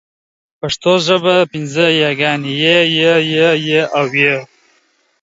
پښتو ژبه پینځه یاګانې لري: ی، ي، ئ، ې او ۍ